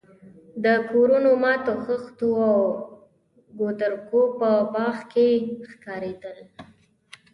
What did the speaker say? د کورونو ماتو خښتو او کودرکو په باغ کې ښکارېدل.